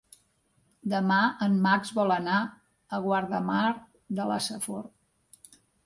Demà en Max vol anar a Guardamar de la Safor.